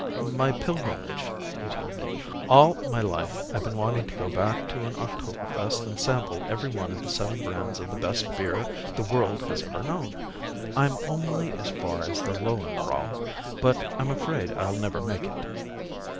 "My pilgrimage," he told me. "All my life I've been wanting to go back to an Oktoberfest and sample every one of the seven brands of the best beer the world has ever known. I'm only as far as Löwenbräu. I'm afraid I'll never make it."